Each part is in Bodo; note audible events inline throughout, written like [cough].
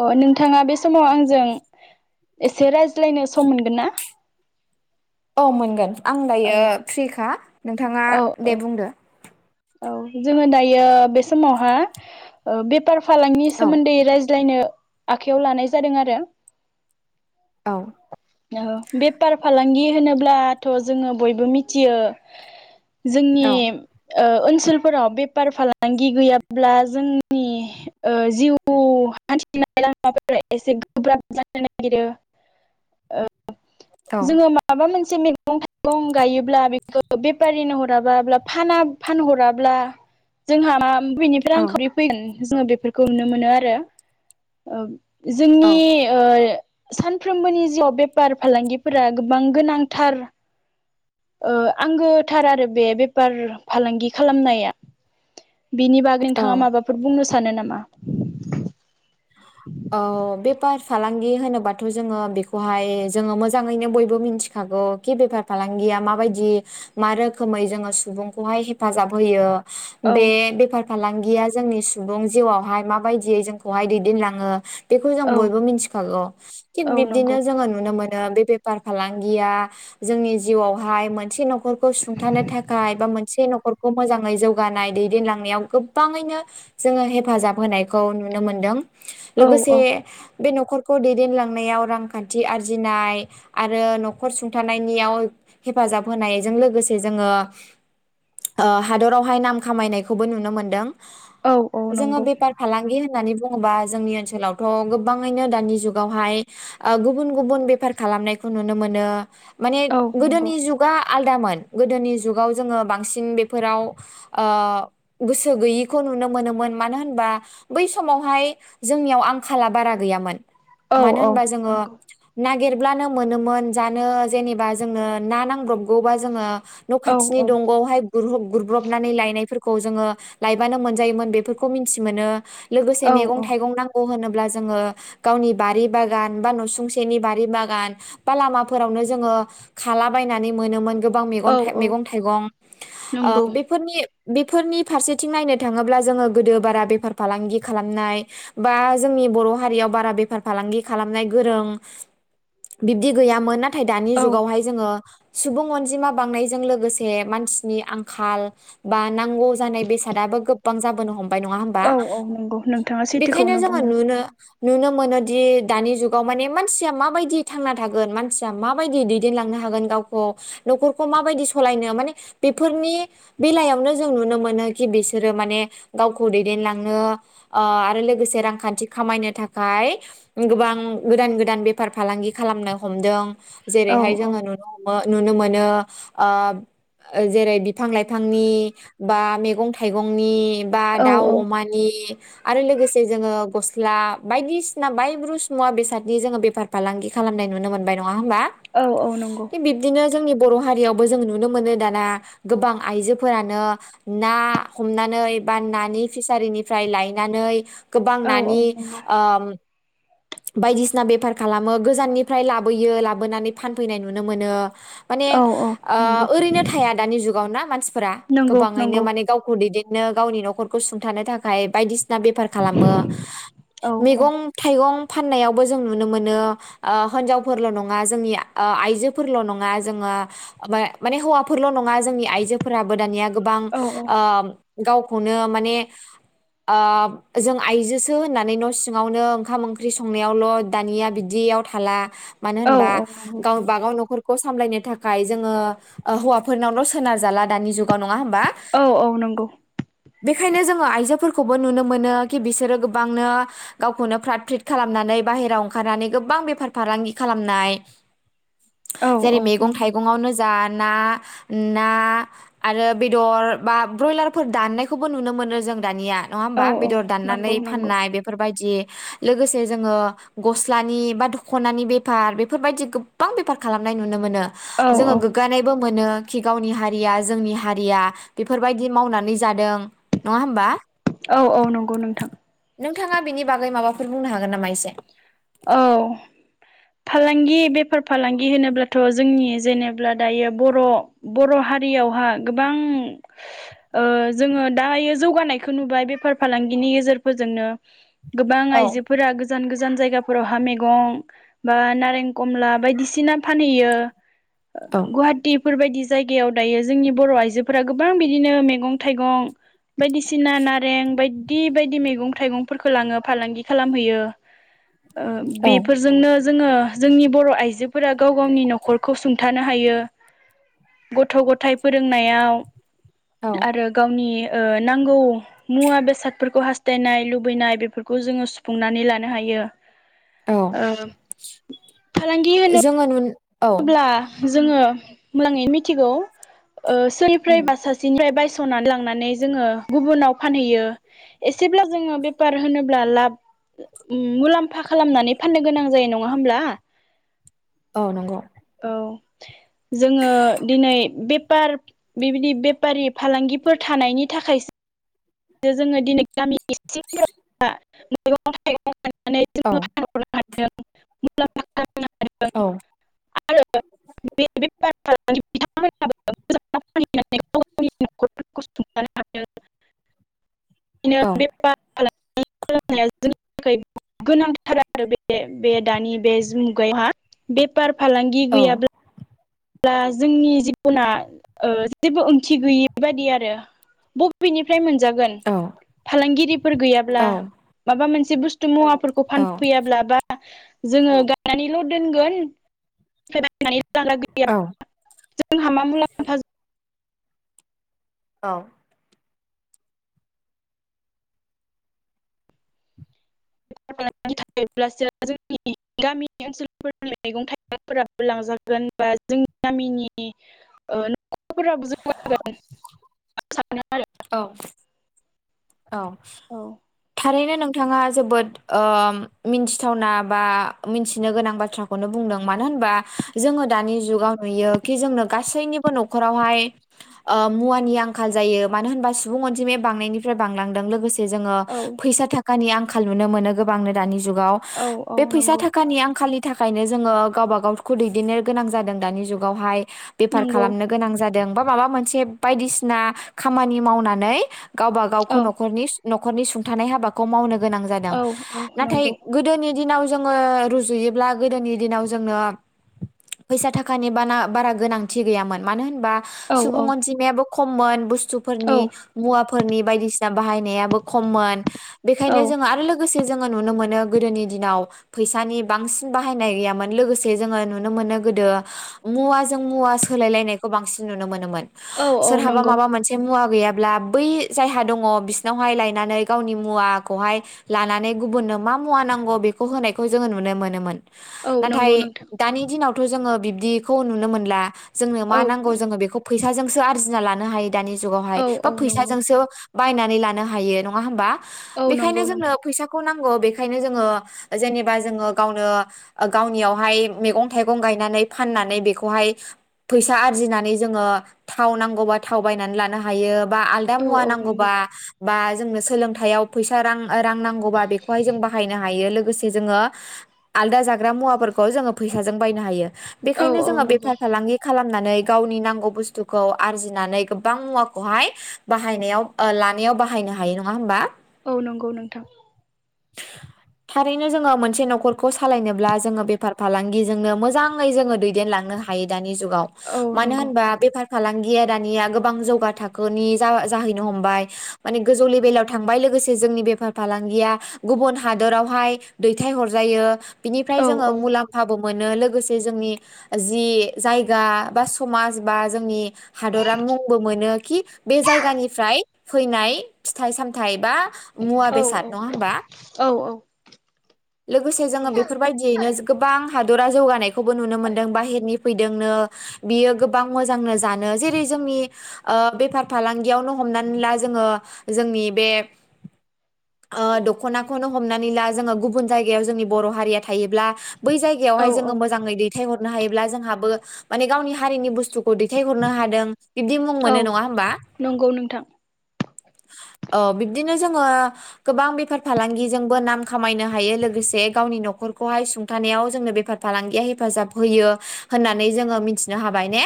अ नों बिथाङा [unintelligible] समाव आंजों एसे रायज्लायनो सम मोनगोन ना? औ मोनगोन आं औ दायो फ्रिखा नों थांआ औ औ दे बुंदो औ जोङो दायो बे समावहा ओ बे [unintelligible] फालांनि औ सोमोन्दै नायनो आखाइयाव लानाय जादों आरो औ औ बेफार फालांगि होनोब्लाथ' जोङो बयबो मिथियो जोंनि औ ओ ओनसोलफोराव बेफार फालांगि गैयाब्ला जोंनि ओ जिउ हान्थिनाय लामाफोरा एसे गोब्राब जानो नागिरो जोङो माबामोनसे [unintelligible] मैगं थाइगं गायोब्ला बे [unintelligible] फानहराब्ला जोंहा मा [unintelligible] औ जोङो बेफोरखौ नुनो मोनो आरो ओ जोंनि औ ओ सानफ्रोमबोनि जिउआव बेफार फालांगिफोरा गोबां गोनांथार ओ आंगोथार आरो बे बेफार फालांगि खालामनाया बिनि बागै नोंथाङा औ माबाफोर बुंनो सा सानो नामा ओ बेफार फालांगि होनोबाथ' जोङो बेखौहाय जोङो मोजाङैनो बयबो मिथिखागौ खि बेफार फालांगिया माबायदि मा रोखोमै जोङो सुबुंखौहाय हेफाजाब होयो औ बे बेफार फालांगिया जोंनि सुबुं जिउआवहाय माबायदियै जोंखौ खौहाय दैदेनलाङो बेखौ जों औ बयबो मिथिखागौ थिग औ नंगौ बिब्दिनो जोङो नुनो मोन नो बेफार फालांगिया जोंनि जिउआवहाय मोनसे न'खरखौ सुंथानो थाखाय बा मोनसे न'खरखौ मोजाङै जौगानाय दैदेनलांनायाव गोबाङैनो जोङो हेफाजाब होनायखौ नुनो नुनो मोनदों। औ औ लोगोसे बे न'खरखौ दैदेनलांनायाव रांखान्थि आरजिनाय आरो न'खर सुंथानायनियाव हेफाजाब होनायजों लोगोसे जोङो ओ हादरावहाय नाम खामायनायखौबो नुनो मोनदों। औ औ जोङो नंगौ बेफार फालांगि होन होननानै बुङोबा जोंनि ओनसोलावथ' गोबाङैनो दानि जुगावहाय ओ गुबुन गुबुन बेफार खालामनायखौ नुनो मोनो। माने औ नंगौ गोदोनि जुगा आल दामोन गोदोनि जुगाव जोङो बांसिन बेफोराव ओ गोसो गैयिखौ नुनो मोनोमोन मानो होनबा बै समावहाय जोंनियाव आंखाला बारा गैयामोन। औ मानो औ होनबा जोङो नंगौ नागिर ब्लानो मोनोमोन जानो जेनेबा जोंनो ना नांब्रबगौबा जोङो न' औ खाथिनि औ दंगआवहाय गुरहब गुरब्रबनानै लायनायफोरखौ खौ जोङो लायबानो मोनजायोमोन बेफोरखौ मिन्थि मोनो। लोगोसे औ मेगं औ थाइगं नांगौ होनोब ब्ला जोङो गावनि बारि बागान बा नसुंसेनि बारि बागान बा लामाफोरावनो जोङो खाला बायनानै मोनोमोन गोब बां औ मेगन औ मेगं थाइगं ओ नंगौ बेफोरनि बेफोरनि फारसेथिं नायनो थाङोब्ला जोङो गोदो बारा बेफार फालांगि खालामनाय बा जोंनि बर' हारियाव बारा बेफार फालांगि खालामनाय गोरों बिब्दि गैयामोन नाथ थाय दानि औ जुगावहाय जोङो सुबुं अनजिमा बांनायजों लोगोसे मानसिनि आंखाल बा नांगौ जानाय बेसादाबो गोबां जाबोनो हम बाय नङा होमबा? औ औ नंगौ नोंथाङा बेखायनो सैथोखौनो जोङो बुंदों। नुनो नुनो मोनोदि दानि जुगाव माने मानसिया माबायदि थांना थागोन मानसिया माबायदि दैदेनलांनो हागोन गावखौ न'खरखौ माबायदि सलायनो माने बेफोरनि बेलायावनो जों नुनो मोनो कि बिसोरो माने गावखौ दैदेनलां नो ओ आरो लोगोसे रांखान्थि खामायनो थाखाय गोबां गोदान गोदान बेफार फालांगि खालामनो हमदों। औ जेरैहाय औ जोङो नुनो नो ओ नुनो मोनो ओ जेरै बिफां लाइफांनि बा मेगं थाइगंनि बा औ दाउ औ अमान नि आरो लोगोसे जोङो गस्ला बायदिसिना बायब्रुस मुवा बेसादनि जोङो बेफार फालांगि खालामनाय नुनो मोनबाय नङा नङा होनबा? औ औ नंगौ थिग बिबदिनो जोंनि बर' हारियावबो जों नुनो मोनो दाना गोबां आइजोफोरानो ना हमनानै बा नानि फिसारिनि फ्राय लायनानै गोबां औ औ नानि नंगौ ओम बायदिसिना बेफार खालामो गोजाननिफ्राय लाबोयो लाबोनानै फानफैनाय नुनो मोनो। माने औ औ ओ नंगौ ओरैनो थाया दानि जुगाव ना मानसिफोरा नंगौ गोबाङैनो नंगौ माने गावखौ दैदेन नो गावनि न'खरखौ सुंथानो था खाय बायदिस ना बेफार खालामो। औ औ मैगं थाइगं फाननायावबो जों नुनो मोनो ओ हिनजावफोरल' नङा जोंनि ओ आइजोफोरल' नङा जोङो मा माने हौवाफोरल' नङा जोंनि आइजो फोराबो दानिया गोबां औ ओ गावखौनो माने ओ जों आयजोसो होननानै न' सिङावनो ओंखाम ओंख्रि संनायावल' दानिया बिदियाव थाला। मानो औ होनबा औ नंगौ गावबागाव न'खर खौ सामलायनो थाखाय जोङो ओ हौवाफोरनावल' सोनार जाला दानि जुगाव नङा होमबा औ औ नंगौ बेखायनो जोङो आइजोफोर खौबो नुनो मोनो कि बिसोरो गोबांनो गावखौनो फ्रात फ्रिट खालामनानै बाहेरायाव ओंखारनानै गोबां बेफार फालांगि खालामनाय। औ औ जेरै मैगं नंगौ थाइगङावनो जा ना ना आरो बेदर बा ब्रयलारफोर दाननायखौबो नुनो मोनो जों दानिया। नङा होमबा औ औ बेदर दाननानै नंगौ नंगौ फाननाय बेफोरबायदि लोगोसे जोङो गस्लानि बा दख'नानि बेफार बेफोरबायदि गोबां बेफार खालामनाय नुनो मोनो। औ जोङो औ गोग्गानायबो मोनो। खि गावनि हारिया जोंनि हारिया बेफोरबायदि मावनानै जादों। नङा होमबा? औ औ नंगौ नोंथां। नोंथाङा बेनि बागै माबाफोर बुंनो हागोन नामा एसे। औ फालांगि बेफार फालांगि होनोब्लाथ' जोंनि जेनेब्ला दायो बर' बर' हारियावहा गोबां ओ जोङो दायो जौगानायखौ नुबाय बेफार फालांगिनि गेजेरफोरजोंनो। गोबां औ आइजोफोरा गोजान गोजान जायगा फोरावहा मेगं बा नारें कमला बायदिसिना फानहैयो। औ गुवाहाटी बेफोरबायदि जायगायाव दायो जोंनि बर' आइजोफोरा गोबां बिदिनो मैगं थाइगं बायदिसिना नारें बाय दि बायदि मैगं थाइगंफोरखौ लाङो फालांगि खालामहैयो। ओ बेफोरजोंनो जोङो जोंनि बर' आइजो फोरा गाव गावनि नखरखौ सुंथानो हायो गथ' गथाय फोरोंनायाव। आरो गावनि ओ नांगौ मुवा बेसादफोरखौ हास्थायनाय लुबैनाय बेफोरखौ जोङो सुफुंनानै लानो हायो। औ ओ फालांगि होनो जोङो नु औ अब्ला जोङो मोजाङै मिथिगौ। ओ सोरनिफ्रायबा सासेनिफ्राय बायस' सनानै लांनानै जोङो गुबुनाव फानहैयो एसेब्ला जोङो बेफार होनोब्ला लाब मुलाम्फा खालामनानै फाननो गोनां जायो नङा होमब्ला? औ नंगौ। थ [unintelligible] जोङो दिनै बे बेपार बेबायदि बेफारि फालांगिफोर थानायनि थाखायसो जोङो दिनै गामिनि [unintelligible] मैगं थाइगं औ औ [unintelligible] [unintelligible] [unintelligible] [unintelligible] बिदिनो औ बेपार [unintelligible] जोंनि थाखाय गोनांथार आरो बे दानि बे मुगायावहा बेपार फालांगि औ गैयाब्ला अब्ला जोंनि जिबना ओ जेबो ओंथि गैयि बादि आरो बबेनिफ्राय फ्राय मोनजागोन औ फालांगिरिफोर गैयाब्ला औ माबा मोन जि बुसथु मुवाब फोरखौ फानफैयाब्ला बा जोङो गायानानैल' दोनगोन [unintelligible] औ [unintelligible] जोंहा मा मुलाम्फा औ [unintelligible] थायोब्लास जोंनि गामि ओनसोलफोर मैगं थाइगंफोराबो लांजागोन बा जोंनि गामिनि ओ फोराबो [unintelligible] [unintelligible] औ औ जों थारैनो नोंथाङा जोबोद ओ मिन्थिथावना बा मिन्थिनो गोनां बाथ्राखौनो बुंदों मानो होनबा जोङो दानि जुगाव नुयो कि जोंनो गासैनिबो न'खरावहाय ओ मुवानि आंखाल जायो मानो होनबा सुबुं अनजिमाया बांनायनिफ्राय बांलांदों लोगोसे जोङो औ थाखानि आंखाल नुनो मोनो गोबांनो दानि जुगाव औ औ बे फैसा नंगौ थाखानि आंखालि नि थाखायनो जोङो गावबा गावखौ दैदेननो गोनां जादों दानि जुगावहाय बेफार नंगौ खालामनो गोनां जाद दों बा माबा मोनसे बायदिसिना खामानि मावनानै गावबा गावखौ औ न'खरनि न'खरनि सुब थानाय हाबाखौ मावनो गोनां जादों औ औ नाथाय नंगौ गोदोनि दिनाव जोङो रुजुयोब्ला गोदोनि दिनाव जोंनो फैसा थाखानि बा बारा गोनांथि गैयामोन मानो होन बा औ सुबुं औ अनजिमायाबो खममोन बुस्थु सु औ फोरनि मुवा फोरनि बायदिसिना बाहायनायाबो खममोन औ बेखायनो जों आरो लोगोसे जोङो नुनो मोनो गोदोनि दिनाव फैसानि बांसिन बाहायनाय गैयामोन लोगोसे जोङो नुनो मोनो गोदो मुवाजों मुवा सोलायलायनायखौ बांसिन नुनो मोनोमोन औ औ सोरहाबा नंगौ माबा मोनसे मुवा गैयाब अब्ला बै जायहा दङ बिसिनावहाय लायनानै गावनि मुवाखौहाय लानानै गुबुननो मा मुवा नांगौ बेखौ होनायखौ जोङो नुनो मोनोमोन औ नाथाय नंगौ नोंथां दानि दिनावथ' जोङो बिब दिखौ नुनो मोनला जोंनो मा औ नांगौ नंगौ जोङो बेखौ फैस फिथाजोंसो आरजिना लानो हायो दानि जुगावहाय औ बा औ नंगौ फैसाजोंसो बायनानै लानो हायो नङा होमबा औ बेखायनो नंगौ जोंनो नोंथां फैसाखौ नांगौ बेखायनो जोङो जेनेबा जोङो गावनो गावनियावहाय मैगं थाइगं गायनानै फाननानै बेखौहाय फैसा आरजिनानै जोङो थाव नांगौबा थाव बायनानै लानो हायो बा आलादा औ मुवा औ नंगौ नांगौबा बा जोंनो सोलोंथायाइयाव फैसा रां रां नांगौबा बेखौहाय जों बाहायनो हायो लोगोसे जोङो आलदा जाग्रा मुवाफोरखौ जोङो फैसाजों बायनो हायो औ बेखायनो औ जोङो नंगौ बेफार फालांगि खालामनानै गावनि नांगौ बुस्थुखौ आरजिनानै गोबां मुवाखौहाय बाहायनायाव लानायाव बाहायनो हायो नङा हा होनोमबा औ नंगौ नोंथां थारैनो जोङो मोनसे न'खरखौ सालायनोब्ला जोङो बेफार फालांगिजोंनो मोजाङै जोङो दैदेनलांनो हायो दानि जुग औ मानो नंगौ होनबा बेफार फालांगिया दानिया गोबां जौगा थाखोनि जाहैनो हमबाय माने गोजौ लेबे बेलाव थांबाय लोगोसे जोंनि बेफार फालांगिया गुबुन हादरावहाय दैथायहरजायो बिनिफ्राय औ जोङो मुलाम्फाबो मोनो लोगोसे जोंनि जि जायगा बा समाज बा जोंनि हादरा मुंबो मोनो खि बे जायगानिफ्राय फैनाय फिथाइ सामथायाइ बा मुवा औ बेसाद नङा होमबा औ औ लोगोसे जोङो नंगौ बेफोरबायदियैनो गोबां हादरा जौगानाय खौबो नुनो मोन्दों बाहेरनि फैदों नो बियो गोबां मोजांनो जानो जेरै जोंनि ओ बेफार फालांगियावनो हमनानै ला जोङो जोंनि बे ओ दखनाखौनो हमनानै ला जोङो गुबुन जायगायाव जोंनि बर' हारिया थायोब्ला बै औ जायगायावहाय जोङो औ मोजाङै दैथाय हर नो हायोब्ला जोंहाबो माने गावनि हारिनि बुसथु दैथायहरनो हादों बिबदि मुं औ मोनो नङा होमबा नंगौ नोंथां औ बिब्दिनो जोङो गोबां बेफार फालांगिजोंबो नाम खामायनो हायो लोगोसे गावनि न'खरखौहाय सुंथानायाव जोंनो बेफार फालांगिया हेफाजाब होयो होननानै जोङो मिथिनो हाबाय ने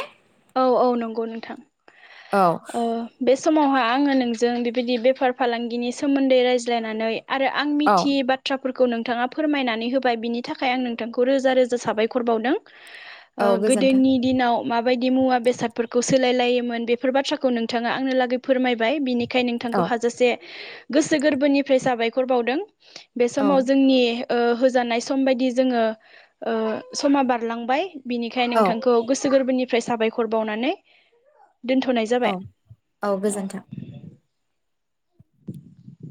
औ औ नंगौ नोंथां औ ओ बे समावहाय आङो नों जों बेबायदि बेफार फालांगिनि सोमोन्दै रायज्लायनानै आरो आं औ मिथियै बाथ्रा फोरखौ नोंथाङा फोरमायनानै होबाय बिनि थाखाय आं नोंथांखौ रोजा रोजा साबायखर बावदों ओ औ गोजोन्थों गोदोनि दिनाव माब बायदि मुवा बेसादफोरखौ सोलायलायोमोन बेफोर बाथ्राखौ नोंथाङा आंनो लागै फोरमायबाय बिनि खाय नोंथांखौ औ हाजासे गोसो गोरबोनिफ्राय साबायखर बावदों बे समाव औ जोंनि ओ होजानाय सम बायदि जोङो ओ समा बारलांबाय बिनिखाय औ नोंथांखौ गोसो सो गोरबोनि फ्राय साबायखर बावनानै दोनथ'नाय औ जाबाय औ [inaudible]